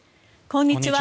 こんにちは。